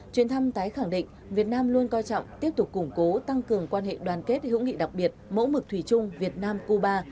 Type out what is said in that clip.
chuyến thăm tái khẳng định việt nam luôn coi trọng tiếp tục củng cố tăng cường quan hệ đoàn kết hữu nghị đặc biệt mẫu mực thủy chung việt nam cuba